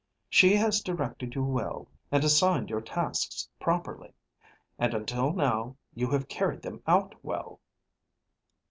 She has directed you well, and assigned your tasks properly. And until now you have carried them out well."